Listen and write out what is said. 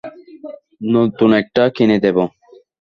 নতুন একটা কিনে দেব।